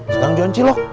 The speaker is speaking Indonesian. sekarang jualan cilok